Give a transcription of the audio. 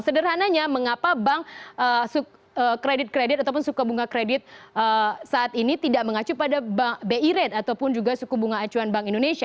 sederhananya mengapa bank kredit kredit ataupun suku bunga kredit saat ini tidak mengacu pada bi rate ataupun juga suku bunga acuan bank indonesia